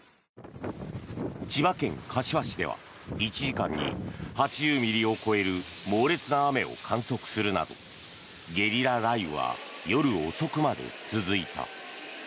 千葉県柏市では１時間に８０ミリを超える猛烈な雨を観測するなどゲリラ雷雨は夜遅くまで続いた。